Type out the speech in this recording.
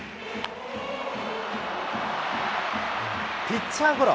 ピッチャーゴロ。